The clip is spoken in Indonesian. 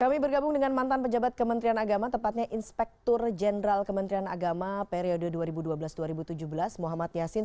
kami bergabung dengan mantan pejabat kementerian agama tepatnya inspektur jenderal kementerian agama periode dua ribu dua belas dua ribu tujuh belas muhammad yasin